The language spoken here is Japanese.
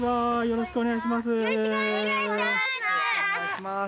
よろしくお願いします。